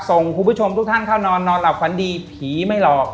ส่งคุณผู้ชมทุกท่านเข้านอนนอนหลับฝันดีผีไม่หลอก